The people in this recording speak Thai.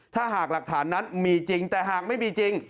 ถ้าหากหลักฐานนั้นมีจริงแต่หากไม่มีจริง